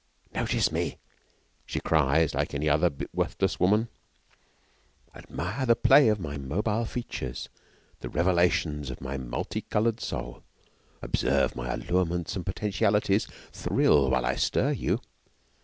'Notice Me!' She cries, like any other worthless woman. 'Admire the play of My mobile features the revelations of My multi coloured soul! Observe My allurements and potentialities. Thrill while I stir you!'